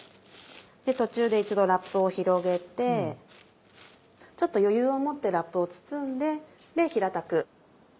途中で一度ラップを広げてちょっと余裕を持ってラップを包んで平たく。